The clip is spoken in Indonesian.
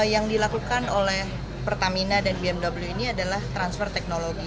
yang dilakukan oleh pertamina dan bmw ini adalah transfer teknologi